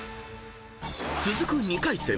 ［続く２回戦